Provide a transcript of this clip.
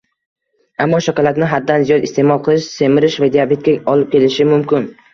Ammo shokoladni haddan ziyod isteʼmol qilish semirish va diabetga olib kelishi mumkin.